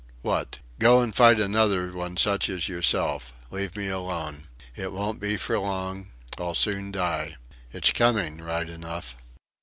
What? Go an' fight another such one as yourself. Leave me alone. It won't be for long. I'll soon die.... It's coming right enough!"